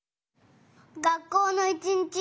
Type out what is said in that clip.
がっこうのいちにち。